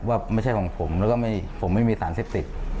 ว่าไม่ใช่ของผมแล้วก็ผมไม่มีสารเสพติด